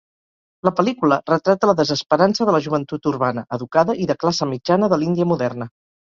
La pel·lícula retrata la desesperança de la joventut urbana, educada i de classe mitjana de l'Índia moderna.